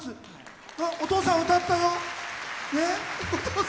お父さん歌ったよ。